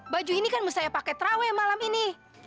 baju ini kan mau saya pakai trawe malam ini